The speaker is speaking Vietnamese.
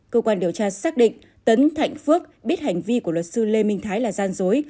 cơ quan điều tra xác định tấn thạnh phước biết hành vi của luật sư lê minh thái là gian dối